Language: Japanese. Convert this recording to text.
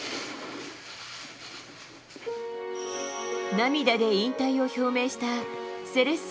涙で引退を表明したセレッソ